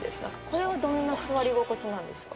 これはどんな座り心地なんですか？